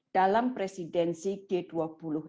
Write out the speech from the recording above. dalam presidensi g dua puluh